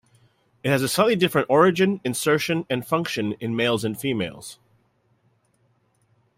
It has a slightly different origin, insertion and function in males and females.